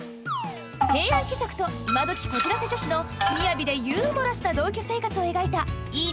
平安貴族と今どきこじらせ女子の雅でユーモラスな同居生活を描いた「いいね！